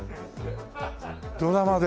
ドラマで。